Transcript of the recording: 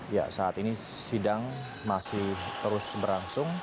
ya saat ini sidang masih terus berlangsung